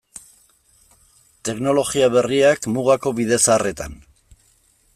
Teknologia berriak mugako bide zaharretan.